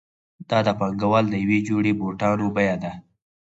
دا د پانګوال د یوې جوړې بوټانو بیه ده